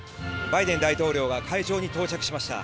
バイデン大統領が会場に到着しました。